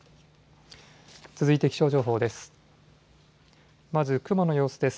続いて気象情報です。